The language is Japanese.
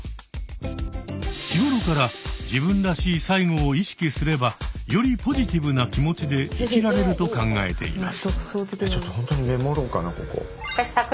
日頃から「自分らしい最期」を意識すればよりポジティブな気持ちで生きられると考えています。